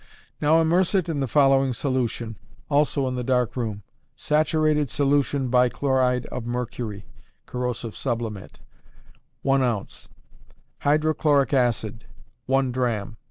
Now immerse it in the following solution, also in the dark room: saturated solution bichloride of mercury (corrosive sublimate), one ounce; hydrochloric acid, one drachm.